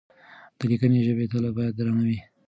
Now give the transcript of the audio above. د ليکنۍ ژبې تله بايد درنه وي.